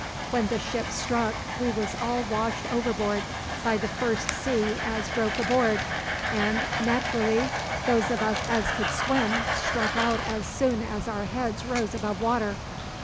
When the ship struck we was all washed overboard by the first sea as broke aboard; and nat'rally those of us as could swim struck out as soon as our heads rose above water.